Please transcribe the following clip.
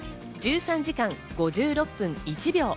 １３時間５６分１秒。